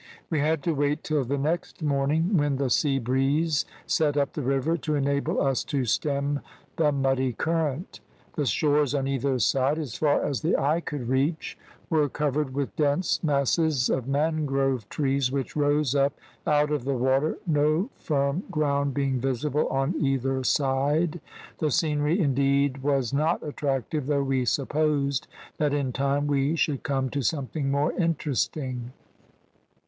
We had to wait till the next morning, when the sea breeze set up the river, to enable us to stem the muddy current. The shores on either side, as far as the eye could reach, were covered with dense masses of mangrove trees which rose up out of the water, no firm ground being visible on either side; the scenery, indeed, was not attractive, though we supposed that in time we should come to something more interesting.